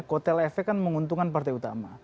kotel efek kan menguntungkan partai utama